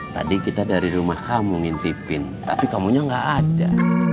tadi kita dari rumah kamu ngintipin tapi kamunya gak ada